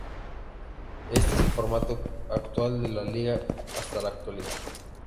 Este es el formato actual de la liga hasta la actualidad.